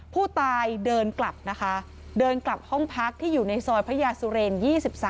ผู้ตายเดินกลับนะคะเดินกลับห้องพักที่อยู่ในซอยพระยาสุเรน๒๓